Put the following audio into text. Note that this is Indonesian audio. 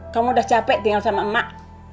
kamu udah capek tinggal sama emak